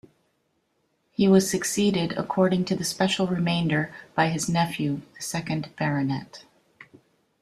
He was succeeded according to the special remainder by his nephew, the second Baronet.